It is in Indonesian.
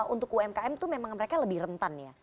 untuk umkm itu memang mereka lebih rentan ya